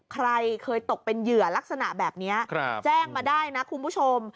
ใครเคยตกเป็นเหยื่อลักษณะแบบนี้แจ้งมาได้นะคุณผู้ชม